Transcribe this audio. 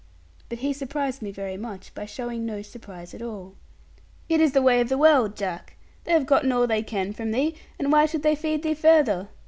But he surprised me very much, by showing no surprise at all. 'It is the way of the world, Jack. They have gotten all they can from thee, and why should they feed thee further?